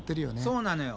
そうなのよ。